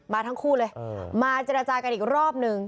ทั้งคู่เลยมาเจรจากันอีกรอบหนึ่ง